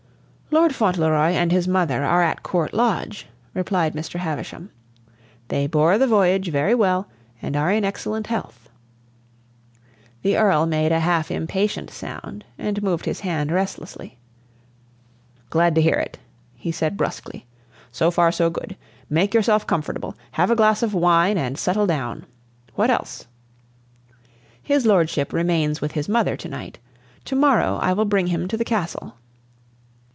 "Lord Fauntleroy and his mother are at Court Lodge," replied Mr. Havisham. "They bore the voyage very well and are in excellent health." The Earl made a half impatient sound and moved his hand restlessly. "Glad to hear it," he said brusquely. "So far, so good. Make yourself comfortable. Have a glass of wine and settle down. What else?" "His lordship remains with his mother to night. To morrow I will bring him to the Castle."